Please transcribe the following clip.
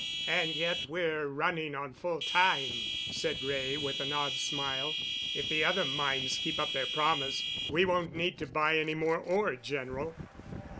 "And yet we're running on full time," said Wray, with an odd smile. "If the other mines keep up their promise we won't need to buy any more ore, General."